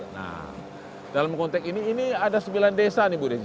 nah dalam konteks ini ini ada sembilan desa nih bu ring